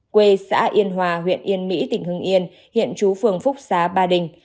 quê xã yên hòa huyện yên mỹ tỉnh hưng yên hiện chú phường phúc xá ba đình